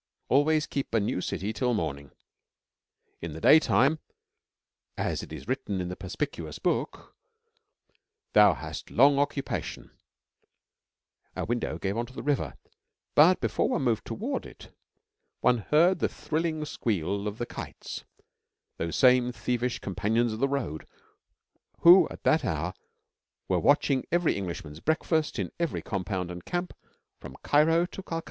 Always keep a new city till morning, 'In the daytime,' as it is written in the Perspicuous Book, 'thou hast long occupation,' Our window gave on to the river, but before one moved toward it one heard the thrilling squeal of the kites those same thievish Companions of the Road who, at that hour, were watching every Englishman's breakfast in every compound and camp from Cairo to Calcutta.